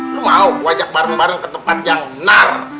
lo mau ajak bareng bareng ke tempat yang nar